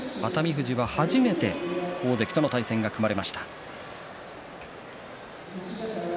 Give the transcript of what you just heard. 富士は初めて大関との対戦が組まれました。